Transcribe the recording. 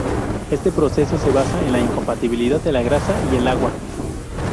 Este proceso se basa en la incompatibilidad de la grasa y el agua.